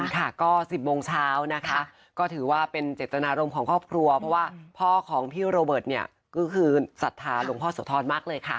ค่ะก็๑๐โมงเช้านะคะก็ถือว่าเป็นเจตนารมณ์ของครอบครัวเพราะว่าพ่อของพี่โรเบิร์ตเนี่ยก็คือศรัทธาหลวงพ่อโสธรมากเลยค่ะ